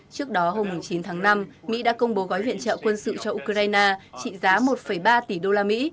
trước đó hôm chín tháng năm mỹ đã công bố gói viện trợ quân sự cho ukraine trị giá một ba tỷ đô la mỹ